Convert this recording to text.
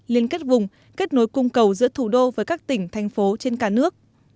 liên kết vùng kết nối cung cầu giữa thủ đô với các tỉnh thành phố trên cả nước